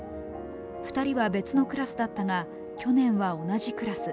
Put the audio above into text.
２人は別のクラスだったが去年は同じクラス。